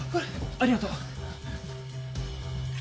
ありがとう！